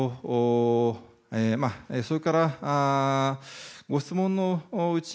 それから、ご質問のうち